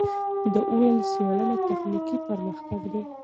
ده وویل، څېړنه تخنیکي پرمختګ دی.